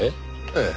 ええ。